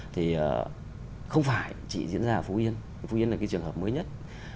thì không phải chỉ diễn ra ở phú yên phú yên là cái trường hợp mới nhất